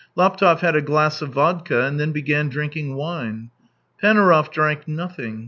Laptev had a glass of vodka, and then began drinking wine. Panaurov drank nothing.